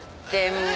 もう。